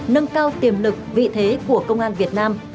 nâng cao tiềm lực vị thế của công an việt nam